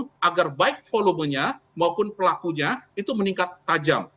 untuk agar baik volumenya maupun pelakunya itu meningkat tajam